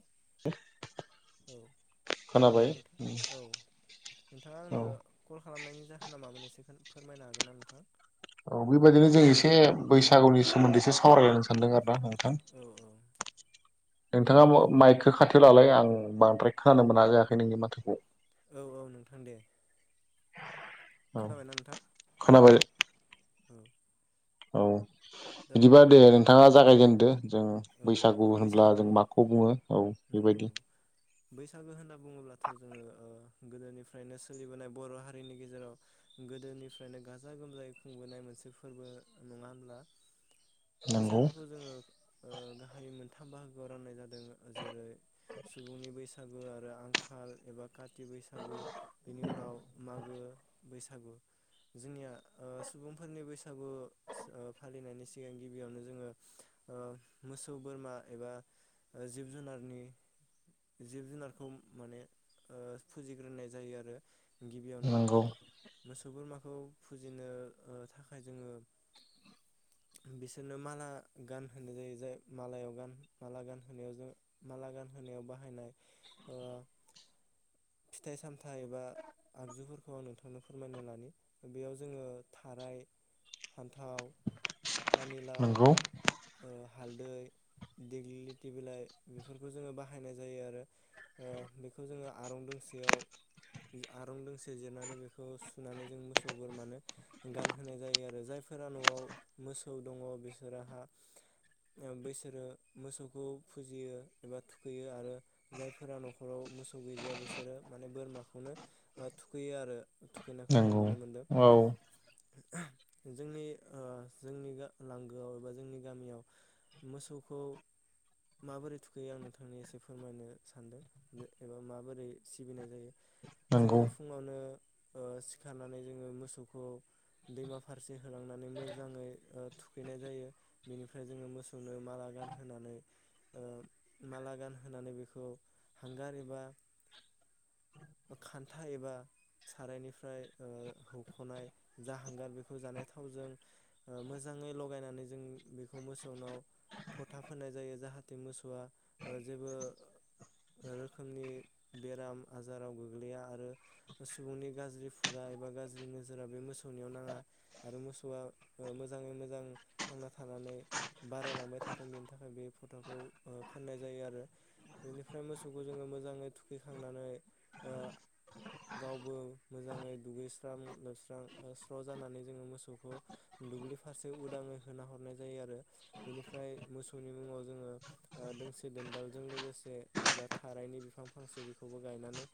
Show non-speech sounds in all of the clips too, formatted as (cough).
औ खोनादों खोनाबाय ना नोंथां औ नोंथाङा औ आंनो कल खालामनायनि जाहोना मामोन एसेखोन फोरमायनो हागोन ना नोंथां? औ बेबायदिनो जों एसे बैसागुनि सोमोन्दै एसे सावरायलायनो सानदों आरो ना थां औ औ नोंथाङा माइकखौ खाथिआव लालाय आं बांद्राय खोनानो मोना जायाखै नोंनि माथोखौ औ औ नोंथां दे औ खोनाबायना नोंथां खोनाब औ औ दा बिदिबा दे बिथाङा जागायजेनदो जों औ बैसागु होनब्ला बैसागु जों माखौ बुङो औ नंगौ बेबायदि नंगौ बैसागो होनना बुङोब्लाथ' जोङो गोदोनिफ्रायनो सोलिबोनाय बर' हारिनि गेजेराव गोदोनिफ्रायनो गाजा गोमजायै खुंबोनाय मोनसे फोरबो नङा होनब्ला नंगौ बैसागोखौ जोङो गाहाय मोनथाम बाहागोआव राननाय जादों जेरै सुबुंनि बैसागु आरो आंखाल एबा काथि खाथि बैसागु बिनि उनाव मागो बैसागु जोंनिया ओ सुबुंफोरनि बैसागु ओ फालिनायनि सिगां गिबियावनो जोङो मोसौ बोरमा एबा जिब जुनारनि जिब जुनारखौ माने फुजिग्रोनाय जायो आरो गिबियावनो नंगौ मोस सुबुंमाखौ फुजिनो थाखाय जोङो बिसोरनो माला गान जेरैहाय मालायाव गान माला गानहोनायाव जों माला गानहोनायाव ओ फिथाइ सामथाइ। फा एबा आगजुफोरखौ आं नोथां बेखौनो फोरमायनो लानो बेयाव जोङो थाराय फान्थाव, फानिलाव- नंगौ हालदै, देग्लिथि बिलाइ बेफोरखौ जोङो बाहायनाय जायो आरो बेखौ जोङो आरं दोंसेयाव आरं दोंसे जिरनानै बेखौ सुनानै जों मोसौ बोरमानो गानहोनाय जायो आरो जायफोरा न'आव मोसौ दङ बिसोराहा। बिैसोरो मोसौखौ फुजियो एबा थुखैयो आरो जायफोरा न'खराव मोसौ गैजाया बिसोरो माने बोरमाखौनो थुखैयो आरो थुखैनायखौ आं नंगौ नुनो मोनदों औ जोंनि जोंनि लांगोआव एबा जोंनि गामियाव मोसौखौ माबोरै थुखैयो आं नोंथांनि एसे फोरमायनो सानदों एबा माबोरै सिबिनाय जायो। नंगौ जोङो फुङावनो ओ सिखारनानै जोङो मोसौखौ दैमा फारसे होलांनानै मोजाङै ओ थुखैनाय जायो। बेनिफ्राय जोङो मोसौनो माला गानहानै ओ माला गानहानै बेखौ हांगार एबा खान्था एबा सारायनिफ्राय ओ हख'नाय जा हांगार बेखौ जानाय थावजों ओ मोजाङै लगायनानै जों बेखौ मोसौनाव फथा फोननायजायो जाहाथे मोसौआ जेबो रोखोमनि बेराम आजाराव गोग्लैया आरो सुबुंनि गाज्रि खुगा एबा गाज्रि नोजोरा बे मोसौनियाव नाङा आरो मोसौआ मोजाङै मोजां थांना थानानै बारायलांबाय थाथों बेनि थाखाय बे फटा'खौ फोननाय जायो आरो बेनिफ्राय मोसौखौ जोङो मोजाङै थुखैखांनानै गावबो मोजाङै दुगैस्रां लोबस्रां स्र' जानानै जोङो मोसौखौ दुब्लि फारसे उदाङै होना हर नाय जायो आरो बेनिफ्राय मोसौनि मुङाव जोङो दोंसे दोनदालजों लोगोसे जा थारायनि बिफां फांसे बेखौबो गायनानै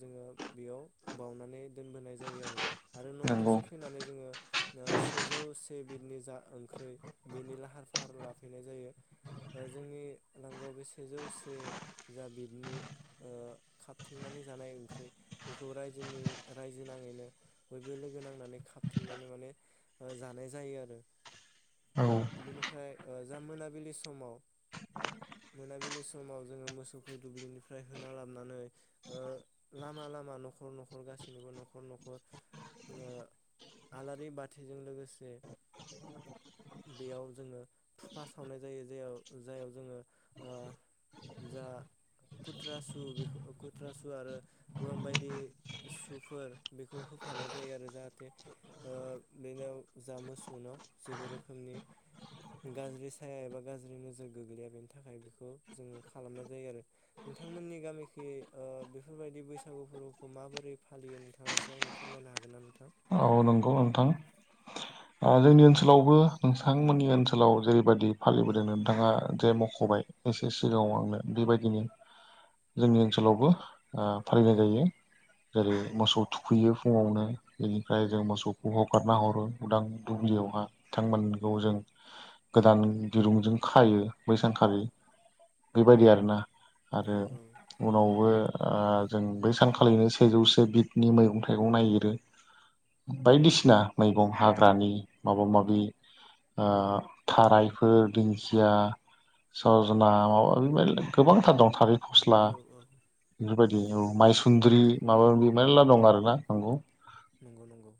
जोङो बेयाव बावनानै दोनबोनाय जायो आरो। आरो न' नंगौ फारसे फैनानै जोङो। सेजौ से बिदनि जा ओंख्रि बेनि लाहार फाहार लाफैनाय जायो ओ जोंनि लांगोआव बे सेजौ से जा बिदनि खाबथिंनानै जानाय ओंख्रि बेखौ रायजोनि रायजो नाङैनो बयबो लोगो नांनानै खाबथिंनानै माने जानाय जायो आरो। औ बेनिफ्राय जा मोनाबिलि समाव मोनाबिलि समाव जोङो मोसौखौ दुब्लिनिफ्राय होना लाबोनानै ओ लामा लामा न'खर न'खर गासैनिबो न'खर न'खर ओ आलारि बाथिजों लोगोसे बेयाव जोङो थुफा सावनाय जायो जेयाव जाययाव जोङो ओ जा कुथ्राासु बे खुथ्राासु आरो गोबां बायदि सुफोर बेखौ होफानाय जायो आरो जाहाथे बेनोव जा मोसौनाव जेबो रोखोम रोखोमनि गाज्रि साया एबा गाज्रि नोजोर गोग्लैया बेनि थाखाय बेखौ जोङो खालामनाय जायो आरो नोंथांमोननि गामिखि ओ बेफोरबायदि बैसागु फोरबोखौ माबोरै फालियो नोंथाङा एसे आंनो फोरमायनो हागोन ना नोंथां। औ नंगौ नोंथां जोंनि ओनसोलावबो नोंथांमोननि ओनसोलाव जेरैबायदि फालिबोदों नोंथाङा जे मख'बाय एसे सिगाङाव आंनो बेबायदिनो जोंनि ओनसोलावबो ओ फालिनाय जायो जेरै मोसौ थुखैयो फुङावनो। बेनिफ्राय जों मोसौखौ हगारना हरो उदां दुब्लियावहा बिथांमोनखौ जों गोदान दिरुंजों खायो बै सानखालि बेबायदि आरोना औ आरो उनावबो जों बै सानखालिनो सेजौसे बिदनि मैगं थाइगं नायगिरो। बायदिसिना मैगं हाग्रानि माबा माबि ओ थारायफोर दिंखिया सजना माबा माबि गोबांथार दं थारै। फस्ला औ औ बेफोरबाय दि औ मायसुन्द्रि माबा माबि मेरला दं आरो ना नंगौ नंगौ नंगौ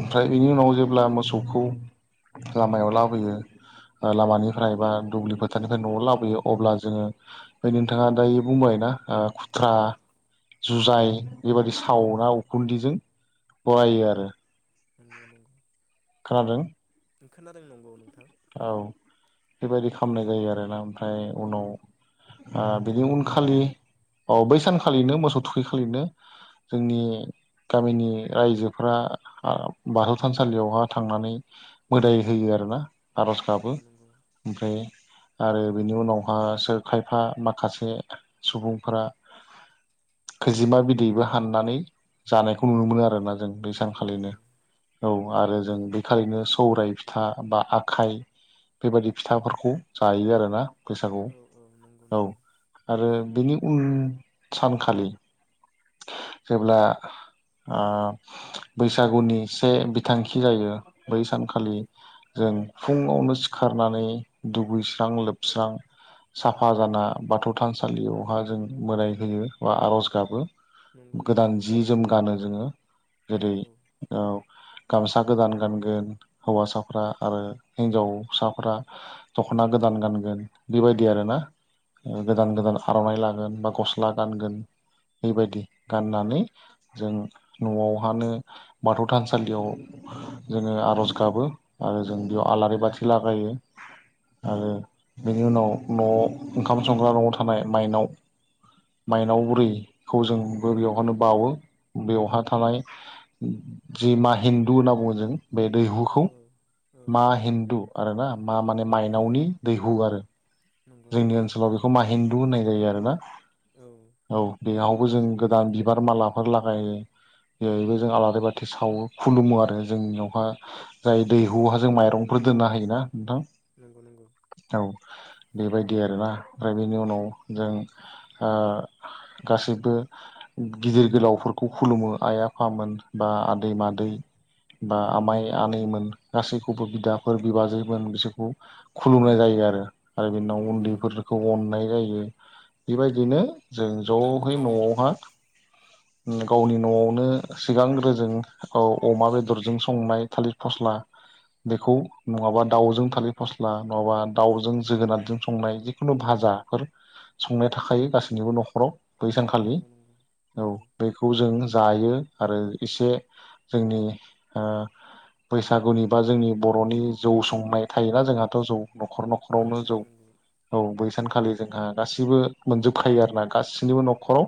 ओमफ्राय बेनि उनाव जेब्ला मोसौखौ लामायाव लाबोयो ओ लामानिफ्राय बा दुब्लि फोथारनिफ्राय न'आव लाबोयो अब्ला जोङो बे नोंथाङा दायो बुंबाय ना ओ खुथ्रा, नंगौ जुजाइ बेबादि औ सावना औ उखुन्दैजों बरायो आरो नोंगौ नंगौ खोनादों खोनादों नंगौ नोंथां औ बेबायदि खालामनाय जायो आरोना ओमफ्राय उनाव ओ बिनि उनखालि औ बै सानखालिनो मोसौ थुखिखालिनो जोंनि गामिनि रायजोफोरा ओ बाथौ थानसालियावहा थांनानै मोदाय होयो आरोना आर'ज गाबो नंगौ नंगौ ओमफ्राय आरो बेनि उनावहा सोर खायफा माखासे सुबुंफोरा खैजिमा बिदैबो हाननानै जानायखौ नुनो मोनो आरोना। जों बै नंगौ सानखालिनो। नंगौ औ आरो जों बे खालिनो सौराय फिथा बा आखाइ बेबायदि फिथाफोरखौ जायो आरोना। औ औ नंगौ बैसागुआव औ नंगौ आरो बेनि उन सानखालि जेब्ला ओ बैसागुनि से बिथांखि जायो बै सानखालि जों फुुङावनो सिखारनानै दुगैस्रां-लोबस्रां साफा जाना बाथौ थानसालियावहा जों मोदाय हुयो बा आर'ज गाबो। नंगौ नंगौ गोदान जि-जोम गानो जोङो औ जेरै औ गामसा गोदान गानगोन हौवासाफ्रा आरो हिनजावसाफ्रा दख'ना गोदान गानगोन बेबायदि आरोना। ओ नंगौ गोदान गोदान आर'नाइ ला गोन बा गस्ला गानगोन। बेबायदि गाननानै जों न'आवहानो बाथौ थानसालियाव जोङो आर'ज गाबो आरो जों बेयाव आलारि बाथि लागायो आरो बेनि उनाव न'आव ओंखाम संग्रा न'आव थानाय माइनाव माइनाव बुरै खौ औ औ जोंबो बेवहायनो नंगौ बावो। बेवहाय थानाय जि मा हिन्दु होनना बुङो जों। बे औ दैहुखौ औ औ मा हिन्दु आरो ना मा माने माइनावनि दैहु आरो। नंगौ जोंनि नंगौ ओनसोलाव बेखौ मा होननाय जायो आरोना। औ औ बेयाव। बो जों गोदान बिबार मालाफोर लागायो बेहाय जों आलारि बाथि सावो खुलुमो आरो जोंनियावहा जाय दैहुहा जों माइरंफोर दोननो हायोना। नंगौ नंगौ नोंथां औ। बेबायदि आरोना ओमफ्राय बेनि उनाव जों ओ गासैबो गिदिर गोलावफोरखौ खुलुमो आइ आफामोन बा आदै मादै बा आमाइ आनैमोन गासैखौबो बिदाफोर बिबाजैमोन बिसोरखौ खुलुमनाय जायो आरो। आरो बिनाव नंगौ नंगौ उन्दैफोरखौ अननाय जायो। बे बेबायदिनो जों ज'है न'आवहा गावनि न'आवनो सिगांग्रो जों अमा बेदरजों संनाय थालिर फस्ला बेखौ नङाबा दाउजों थालिर फस्ला नङाबा दाउजों जोगोनारजों संनाय जिखुनु भाजाफोर संनाय थाखायो गासैनिबो न'खराव। ज' बैसानखालि नंगौ नंगौ औ नंगौ बेखौ जों जायो आरो एसे जोंनि ओ बैसागुनि बा जोंनि बर'नि जौ संनाय थायोना जोंहाथ' जौ न'खर (unintelligible) औ जौ थायो नंगौ औ बैसानखालि जोंहा गासैबो मोनजोबखायो आरोना गासैनिबो न'खराव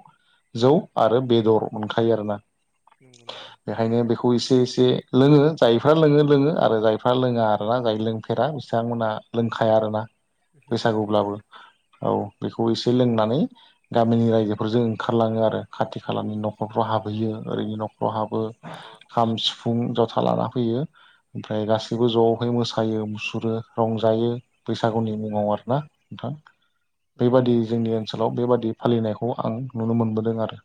जौ आरो बेदर मोनखायो आरो ना। नंगौ नंगौ बेखायनो बेखौ एसे एसे। लोङो जायफ्रा लोङो लोङो आरो जायफ्रा लोङा आरोना जाय लोंफेरा बिथांमोना लोंखा थाया आरोना। नंगौ नंगौ बैसागुब्लाबो औ। बेखौ एसे लोंनानै गामिनि रायजोफोरजों ओंखारलाङो आरो खाथि खालानि नखरफ्राव हाबहैयो ओरैनि न'खराव हाब (unintelligible) खाम सिफुं जथा लाना फैयो। ओमफ्राय गासैबो ज'आवहाय मोसायो मुसुरो रंजायो बैसागुनि मुङाव आरोना नोंथां नंगौ बेबादि नोंथां जोंनि ओनसोलाव बेबादि फालिनायखौ आं नुनो मोनबोदों आरो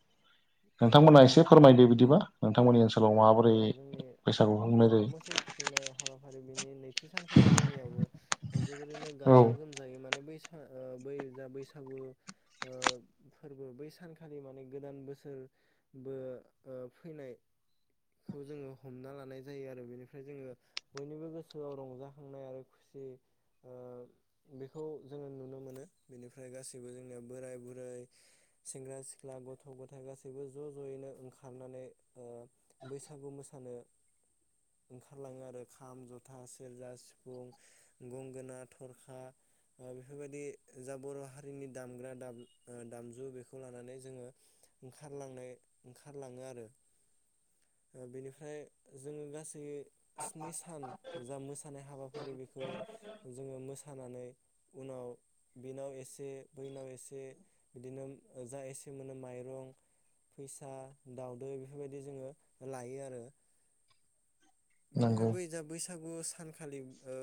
नोंथांमोना एसे फोरमायदो बिदिबा नोंथांमोननि ओनसोलाव माबोरै औ-औ-औ-औ जोंनि बैसागु खुंनाय जा जायो। मोसौ थुखैनाय हाबाफारि बेनि नैथि सानखालि जोंनियावबो जोबोरैनो औ गाजा गोमजायै माने बैसा ओ बै जा बैसागु फोरबो ओ बै सानखालि माने गोदान बोसोर बो ओ फैनायखौ जोङो हमना लानाय जायो आरो बेनिफ्राय जोङो बयनिबो गोसोआव रंजाखांनाय आरो खुसि ओ बेखौ जोङो नुनो मोनो बेनिफ्राय गाैबो जोंनिया बोराय बुरै सेंग्रा सिख्ला गथ' गथाय गासैबो बो ज'-ज'यैनो ओंखारनानै बैसागु मोसानो ओंखारलाङो आरो खाम, जथा, सेरजा, सिफुं, गंगोना, थरखा बेफोरबायदि जा बर' हारिनि दामग्रा दामजु बेखौ लानानै जोङो ओंखारलांनाय ओंखारलाङो आरो ओ बेनिफ्राय जोङो गासै स्नि सान जा मोसानाय हाबाफारि बे खौ जोङो मोसानानै उनाव बिनाव एसे बैनाव एसे बिदिनो जा एसे मोनो माइरं फैसा, दाउदै बेफोरबायदि जोङो लायो आरो बेनिफ्राय नंगौ। बै जा बैसागु सानखालि ओ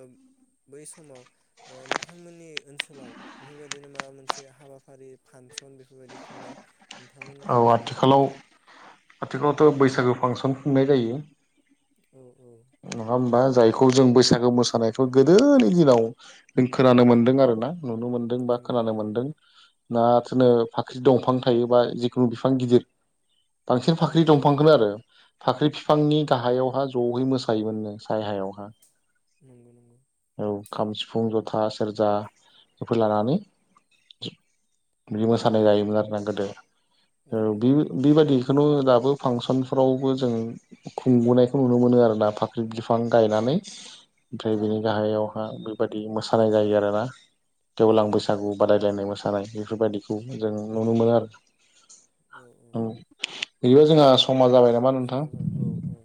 बै समाव ओ नोंथांमोननि ओनसोल ओनसोलाव बेफोरबायदिनो माबा मोनसे हाबाफारि फांसन बेफोरबायदि खुंनाय औ नोंथांमोननिखि दोङो नामा नोंथां बो बैसागु फांसन खुंनाय जायो औ-औ नङा होमबा जायखौ जों बैसागो मोसानायखौ गोदोनि दिनाव जों खोनानो मोनदों आरोना नुनो मोनदों बा नंगौ खोनानो नंगौ मोन्दों ना थोनो फाख्रि दंफां थाहैबाय जि खुनु बिफां गिदिर बांसिन औ फाख्रि औ दंफांखोनो आरो फाख्रि बिफांनि गाहायावहा ज'यै मोसायोमोननो साय हायावहा। नंगौ नंगौ। औ खाम सिफुं जथा सेरजा बेफोर लानानै बिदि मोसानाय जायोमोन आरोना गोदो। औ बि-बिबाादि खुनु दाबो फांसनफोरावबो जों खुंबोनायखौ नुनो मोनो आरोना फाख्रि बिफां गायनानै ओमफ्राय बेनि गाहायावहा बेबायदि मोसानाय जायो आरोना। गेवलां नंगौ नंगौ बैसागु बादायलायनाय मोसानाय बेफोरबायदिखौ जों नुनो मोनो आरो। औ-औ औ बिदिबा दे जोंहा होमब्ला समा जाबाय नोंथां नामा समा जाबाय औ-औ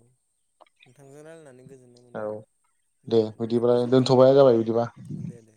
नोंथांजों रायलायनानै गोजोननाय औ मोनबाय दे नोंथां बिदिब्ला गोजोन्थों दोनथ'नाय जाबाय बिदिबा। दे दे